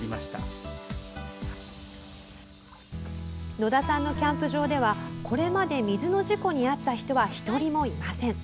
野田さんのキャンプ場ではこれまで水の事故に遭った人は１人もいません。